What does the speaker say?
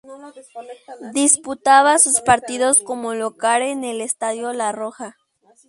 Disputaba sus partidos como local en el Estadio La Roja.